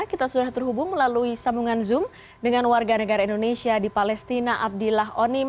kita sudah terhubung melalui sambungan zoom dengan warga negara indonesia di palestina abdillah onim